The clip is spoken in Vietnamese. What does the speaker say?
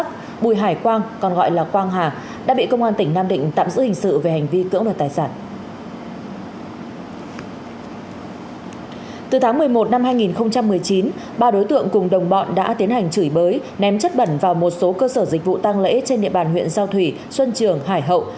từ tháng một mươi một năm hai nghìn một mươi chín ba đối tượng cùng đồng bọn đã tiến hành chửi bới ném chất bẩn vào một số cơ sở dịch vụ tăng lễ trên địa bàn huyện giao thủy xuân trường hải hậu